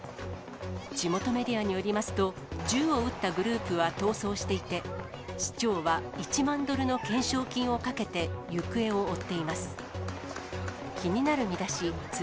地元メディアによりますと、銃を撃ったグループは、逃走していて、市長は１万ドルの懸賞金をかけて、行方を追っています。